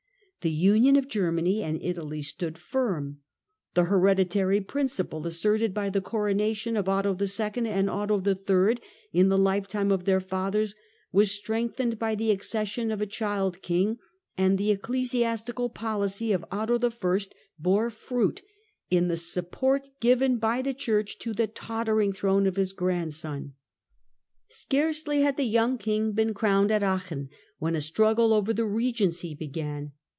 The union of Germany and Italy stood firm; the hereditary principle, asserted by the coronation of Otto II. and Otto III. in the lifetime of their fathers, was strengthened by the accession of a child king, and the ecclesiastical policy of Otto I. bore fruit in the support given by the Church to the tottering throne of his grandson. Scarcely had the young king been crowned at Aachen when a struggle over the regency began.